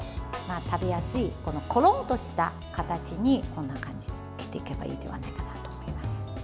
食べやすい、コロンとした形にこんな感じに切っていけばいいのではないかなと思います。